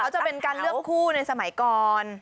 จะเป็นการเลือกคู่ในสมัยก่อน